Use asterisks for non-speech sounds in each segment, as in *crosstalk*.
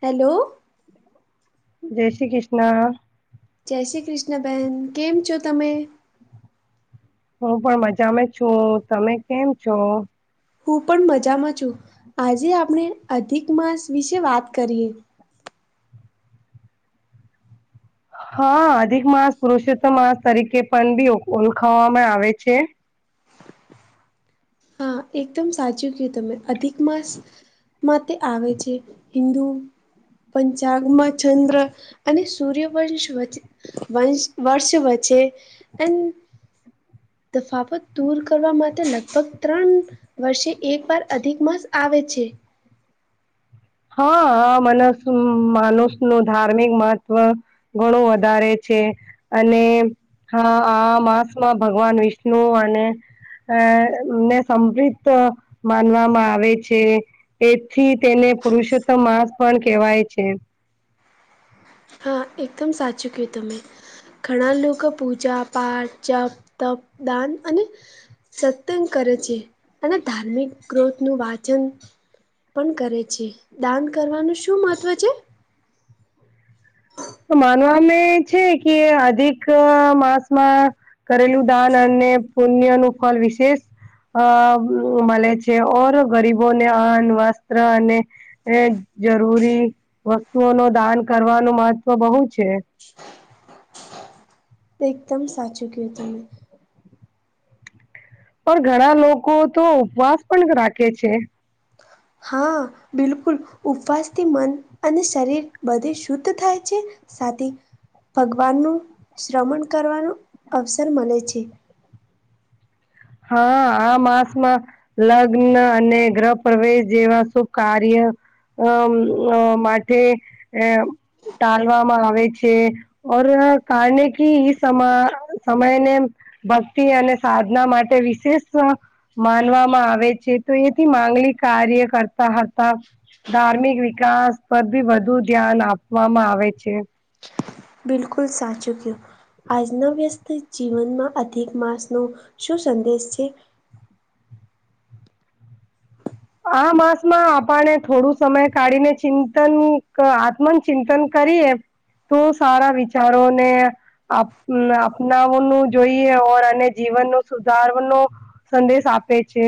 Hello. જય શ્રી કિષ્ના. જય શ્રી કૃષ્ણબહેન કેમ છો તમે? હું પણ મજામાં છું તમે કેમ છો? હું પણ મજામાં છું, આજે આપણે અધિક માસ વિશે વાત કરીએ. હા અધિક માસ પુરુષોત્તમ માસ તરીકે પન બી ઓ ઓલખાવામાં આવે છે. હા એકદમ સાચું કયું તમે અધિક માસ માં તે આવે છે હિન્દુ પંચાગમાં ચંદ્ર અને સૂર્યવંશ વચે વંશ વર્ષ વચ્ચે એમ તફાવત દૂલ કરવા માટે લગભગ ત્રન વર્ષે એક વાર અધિક માસ આવે છે. હા મનસ માનુંસ નું ધાર્મિક મહત્વ ઘણું વધારે છે અને હા આ માસમાં ભગવાન વિષ્નુ અને અ ને સમદ્વિક્ત માનવામાં આવે છે. એથી તેને પુરુષોત્તમ માસ પણ કહેવાય છે. હા એકદમ સાચું કયું તમે. ઘણા લોકો પૂજા-પાઠ, જપ, તપ, દાન અને સતંગ કરે છે અને ધાર્મિક ગ્રોથ નું વાચન પન કરે છે દાન કરવાનું શું મહત્ત્વ છે? તો માનવામે છે કે અધિક માસમાં કરેલું દાન અને પૂન્ય નું ફલ વિશેષ અ મલે છે ઓર ગરીબોને અન્ન, વસ્ત્ર અને એ જરૂરી વસ્તુઓ નો દાન કરવાનું મહત્વ બહુ છે. એકદમ સાચું કીધું મેં. પણ ઘણા લોકો તો ઉપવાસ પણ રાખે છે. હા બિલકુલ! ઉપવાસ થી મન અને શરીર બધે શુદ્ધ થાય છે. સાથે ભગવાન નું શ્રમણ કરવાનું અવસર મલે છે. હા આ માસમાં લગ્ન અને ગ્રહ પ્રવેશ જેવા શુભ કાર્ય અમ અ માટે એ ટાલવામાં આવે છે. ઓર કારને કી ઈ સમા સમયને ભક્તિ અને સાધના માટ તે વિશેષસ્વા માનવામાં આવે છે તો એથી માંગલિક કાર્ય કરતા હતા. ધાર્મિક વિકાસ પર બી વધુ ધ્યાન આપવામાં આવે છે. બિલકુલ સાચું કયુ આજના વ્યસ્ત જીવનમાં અધિક માસ નો શું સંદેશ છે. આ માસમાં આપણે થોડું સમય કાઢીને ચિંતન આત્મન ચિંતન કરીએ તો સારા વિચારોને આપ અપનાવવાનું જોઈએ ઓર અને જીવન નો સુધાર નો સદેશ આપ આપે છે.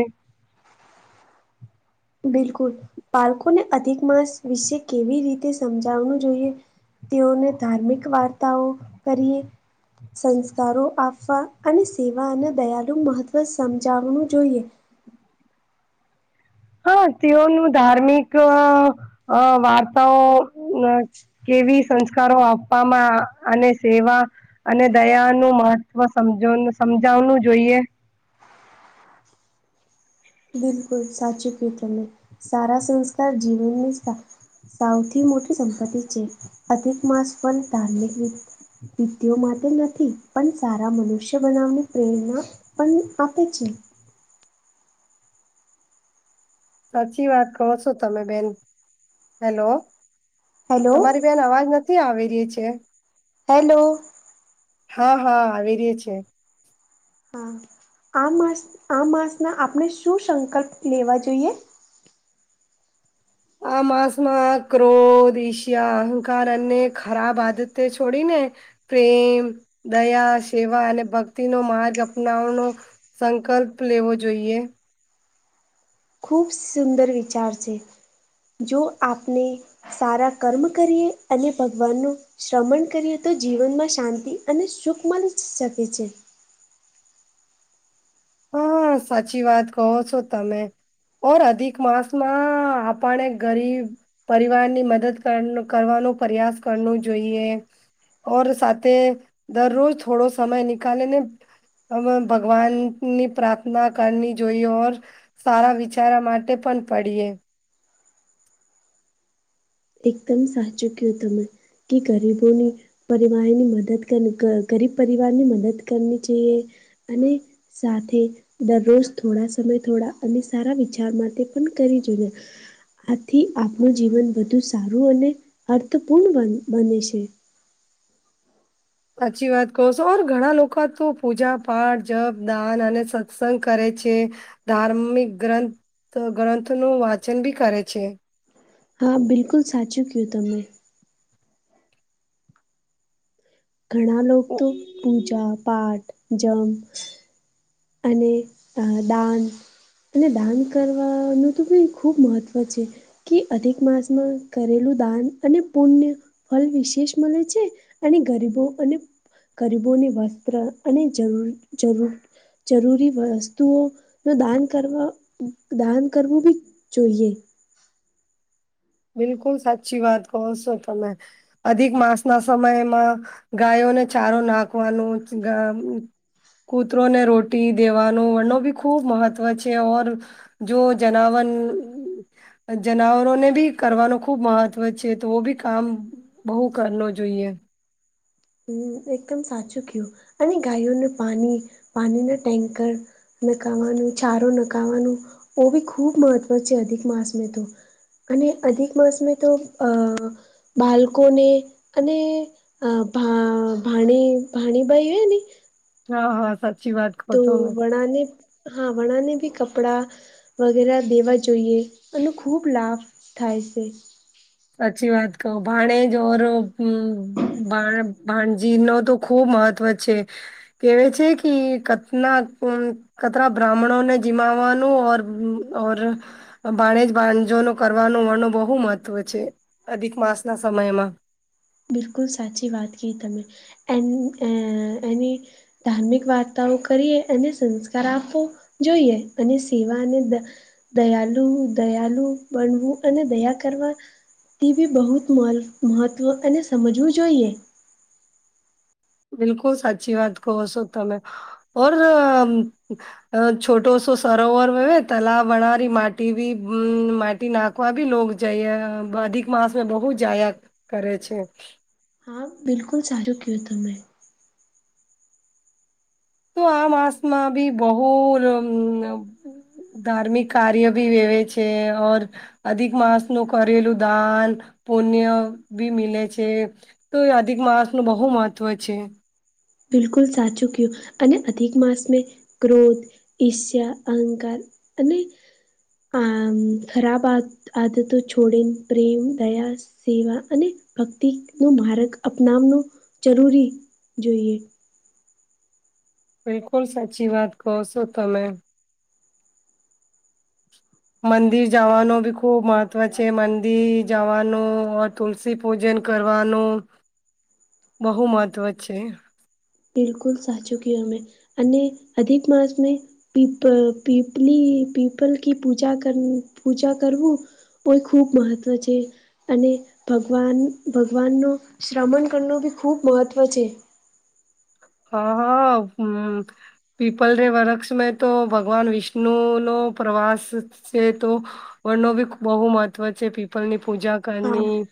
બિલકુલ બાલકોને અધિક માસ વિશે કેવી રીતે સમજાવું જોઈએ તેઓને ધાર્મિક વાર્તાઓ કરીએ સંસ્કારો આપવા અને સેવા અને દયાનુ મહત્ત્વ સમજાવનું જોઈએ હા તેઓનું ધાર્મિક અ વાર્તાઓ ને કેવી સંસ્કારો આપવામાં અને સેવા અને દયાનું મહત્વ સમજોન સમજાવનું જોઈએ બિલકુલ સાચું કઈ તમે સારા સંસ્કાર જીવનને તા સાવથી મોટી સંપત્તિ છે, અધિક માસ પણ ધાર્મિક રી પિતિઓ માટે નથી પણ સારા મનુષ્ય બનાવની પ્રેરણા પન આપે છે. સાચી વાત કોવો છો તમે બેન હેલો હેલો તમારી બેહેન અવાજ નથી આવી રહી છે. હેલો. હા હા આવી રે છે. હા આ માસ આ માસના આપણે શું સંકલ્પ લેવા જોઈએ? આ માસમાં ક્રોધ, ઈશિયા, અહંકાર અને ખરાબ આદતે છોડીને પ્રેમ, દયા, સેવા અને ભક્તિનો માર્ગ અપનાવનો સંકલ્પ લેવો જોઈએ. ખૂબ સુંદર વિચાર છે, જો આપને સારા કર્મ કરીએ અને ભગવાનનું શ્રમણ કરીએ તો જીવનમાં શાંતિ અને સુખ મલી શકે છે. હા સાચી વાત કહો છો તમે ઓર અધિક માસમાં આપણે ગરીબ પરિવારની મદદ કરનો કરવાનો પ્રયાસ કરનો જોઈએ ઓર સાથે દરરોજ થોડો સમય નીકાલે ને અમ ભગવાન ની પ્રાર્થના કરની જોઈએ ઓર સારા વિચારા માટે પણ પડીએ એકદમ સાચું કયુ તમે કે ગરીબોની પરિવારની મદદ કર ક ગરીબ પરિવારની મદદ કરની છીએ અને સાથે દરરોજ થોડા સમય થોડા અને સારા વિચાર માટે પણ કરી જોઈએ આથી આપનું જીવન વધુ સારું અને અર્થપૂર્ણ બ બને છે. હાચી વાત કહો છો ઓર ઘણા લોકો તો પૂજા, પાઠ, જપ, દાન, અને સત્સંગ કરે છે. ધાર્મિક ગ્રંથ ગ્રંથનું વાંચન બી કરે છે. હા બિલકુલ સાચું કયુ તમે ઘણા લોકતો પૂજા, પાઠ, જમ અને અ ડાન અને દાન કરવાનું તો *unintelligible* ખૂબ મહત્ત્વ છે. કે અધિક માસમાં કરેલું દાન અને પુણ્ય ફલ વિશેષ મલે છે, અને ગરીબો અને ગરીબોને વસ્ત્ર અને જરૂર જરૂર જરૂરી વસ્તુઓનું દાન કરવા દાન કરવું બી જોઈએ. બિલકુલ સાચી વાત કહો છો તમે અધિક માસ ના સમયમાં ગાયોને ચારો નાખવાનો કૂતરો ને રોટી દેવાનો વ બી ખૂબ મહત્વ છે ઓર જો જનાવર, જનાવરોને ભી કરવાનું ખુબ મહત્વ છે, તો બી કામ બહુ કર ન જોઈએ હમ, એકદમ સાચું કયું અને ગાયોને પાણી, પાણીના ટેન્કર ન ખાવાનું ચારો ન ખાવાનું, ઓ બી ખૂબ મહત્ત્વ છે અધિક માસ મે તો અને અધિક માસ મે તો અ બાળકોને અને ભા ભણી ભાણીભાઈ હોય ને હા, હા, સાચી વાત કહો તો, તમે વડાને, હા, વડાને ભી કપડા વગેરે દેવા જોઈએ એને ખૂબ લાભ થાય છે સાચચી વાત કહો, ભાણેજરા ભાણજી નો તો ખુબ મહત્વ છે કેવા છે કે કથના કતરા બ્રાહ્મણોને જીમાવાનું ઓર, ઓર ભાણેજ, ભંજો ન કરવાનો વર્ણો બહુ મહત્વ છે, અધિક માસ ના સમયમાં બિલકુલ સાચી વાત કી તમે એ એની ધાર્મિક વાર્તાઓ કરીએ અને સંસ્કાર આપો જોઈએ અને સેવા અને દયાલુ, દયાલુ, બનવું અને દયા કરવા તે બી બહુ જ મહત્વ અને સમજવું જોઈએ બિલકુલ સાચી વાત કહો શો તમે અ છોટોસો સરોવર હોવે તલા વણરી માટી બ માટી નાખ કોઈ ભી લગ જઈએ અધિક માાસ મે બહુ જાયા કરે છે હ, બિલકુલ સારું ક્યુ તમેં તો, માસમાં બી બહુ ધાર્મિક કાર્ય ભી વેવે છે ઓર અધિક માસ નું કરેલું દાન, પુણ્ય, બી મિલે છે તો અધિક માણસ નું બહુ મહત્વ છે બિલકુલ સાચું કયુ તમે અધિક માસ મે ક્રોધ ઈષ્યા, અહંકાર અને અખરાબ આદતો, છોડેન, પ્રેમ, દયા સેવા અને ભક્તિ નો માર્ગ અપનાવનો જરૂરી જોઈએ *unintelligible* બિલકુલ સાચી વાત કહો સો તમે મંદિર જવાનું બી ખુબ મહત્વ છે મંદિર જવાનું તુલસી પૂજન કરવાનું બહુ મહત્વ છે બિલકુલ સાચું કેય અમે અને અધિક માસ મે પીપલ, પીપલી, પીપલ કી પૂજા કર પૂજા કરવું હોય ખૂબ મહત્વ છે અને ભગવાન, ભગવાનનું શ્રવણ કરનું બી ખૂબ મહત્ત્વ છે હા, હા, હમ પીપલ રે વૃક્ષ મે તો ભગવાન વિષ્ણુ ન પ્રવાસ છે તો વ ન ભી બહુ મહત્વ છે પીપલ ની પૂજા હા કરની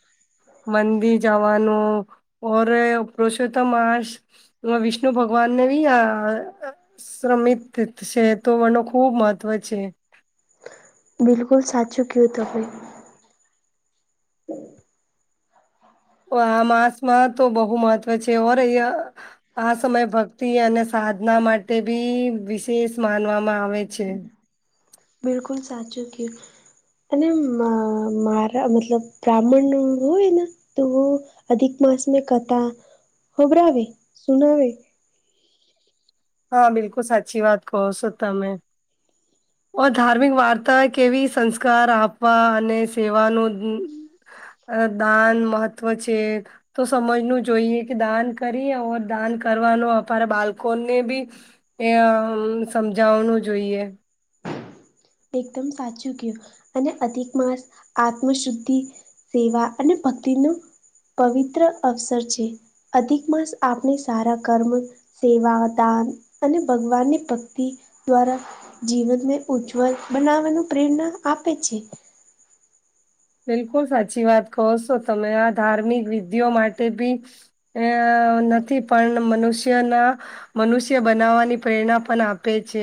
મંદિર જવાનું ઓર પુરુષોત્તમાસ વિષ્ણુ ભગવાનને ભી આ શ્રમિત તીર્થ છે તો મનો ખુબ મહત્વ છે બિલકુલ સાચું કે તહો આ માંસ માં તો બહુ મહત્વ છે ઓર અહીં આ સમય ભક્તિ અને સાધના માટે બી વિશેષ માનવામાં આવે છે બિલકુલ સાચું કે અને મારા મતલબ, બ્રાહ્મણ હોય ને, તો અધિક માસ મે કથા ખબરાવે, સુનાવે. હા, બિલકુલ સાચી વાત કહો છો તમે. ઓ ધાર્મિક વાર્તા કેવી, સંસ્કાર આપવા અને સેવાનું. અ દાન નું મહત્વ છે. તો સમજવું જોઈએ કે દાન કરી, દાન કરવાનો અ બાળકોને ને બી એ સમજાવવાનું જોઈએ. એકદમ સાચું કહ્યું. અને અધિક માસ, આત્મ શુદ્ધિ સેવા અને ભક્તિ નો પવિત્ર અવસર છે. અધિક માસ આપણે સારા કર્મ. સેવા, દાન અને ભગવાન ની ભક્તિ દ્વારા જીવન. બનાવાનું પ્રેરણા આપે છે. બિલકુલ સાચી વાત કહો છો તમે. આ ધાર્મિક વિધિ માટે બી અ નથી, પણ મનુષ્યના મનુષ્ય બનાવવાની પ્રેરણા પણ આપે છે.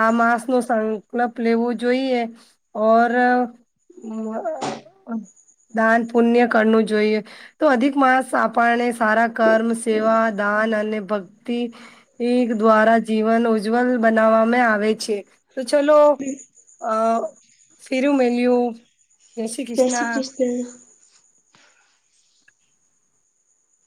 આ માસ નો સંકલ્પ લેવો જોઈએ. ઓર દાન, પુણ્ય કરવું જોઈએ. તો અધિક માણસ આપણને સારા કર્મ, સેવા, દાન અને ભક્તિ. એ દ્વારા જીવન ઉજ્જવલ બનાવવામાં આવે છે. તો ચલો તો ચલો, ફીરુ મલીયુ. જય શ્રી કૃષ્ણ.